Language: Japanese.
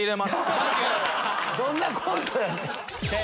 どんなコントやねん！